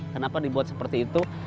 kenapa dibuat seperti itu